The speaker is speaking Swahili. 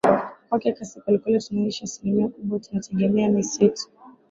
kwa kasi kwelikweli tunayoishi asilimia kubwa tunategemea misitu